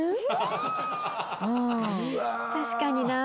確かにな。